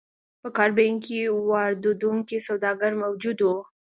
په کارابین کې واردوونکي سوداګر موجود وو.